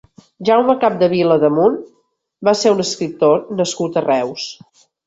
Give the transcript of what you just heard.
Jaume Capdevila Damunt va ser un escriptor nascut a Reus.